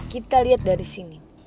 kita liat dari sini